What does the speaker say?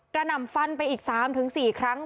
หน่ำฟันไปอีก๓๔ครั้ง